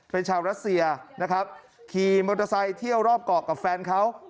เป็นชาวรัสเซียนะครับขี่มอเตอร์ไซค์เที่ยวรอบเกาะกับแฟนเขา